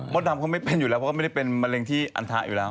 ดำเขาไม่เป็นอยู่แล้วเพราะว่าไม่ได้เป็นมะเร็งที่อันทะอยู่แล้ว